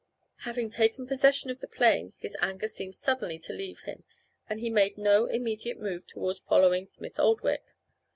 Having taken possession of the plane his anger seemed suddenly to leave him and he made no immediate move toward following Smith Oldwick.